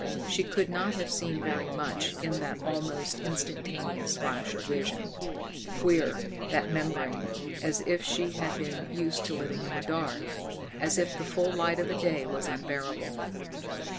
She could not have seen very much in that almost instantaneous flash of vision. Queer, that membrane as if she had been used to living in the dark, as if the full light of the day was unbearable!